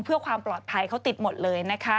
เพื่อความปลอดภัยเขาติดหมดเลยนะคะ